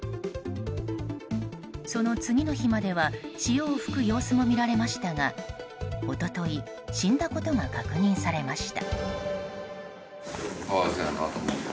その次の日までは潮を吹く様子も見られましたが一昨日死んだことが確認されました。